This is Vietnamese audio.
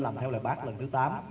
làm theo lời bác lần thứ tám